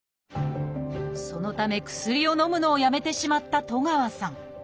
そのため薬をのむのをやめてしまった東川さん。